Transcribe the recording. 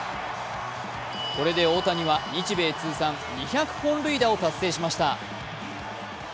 これで大谷は日米通算２００本塁打を達成しました。